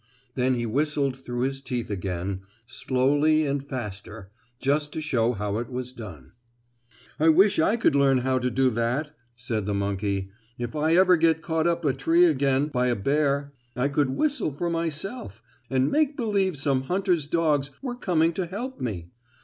Then he whistled through his teeth again, slowly and faster, just to show how it was done. "I wish I could learn how to do that," said the monkey. "If I ever get caught up a tree again by a bear I could whistle for myself, and make believe some hunter's dogs were coming to help me."